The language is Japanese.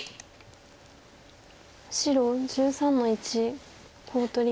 白１３の一コウ取り。